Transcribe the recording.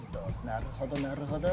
なるほどなるほど。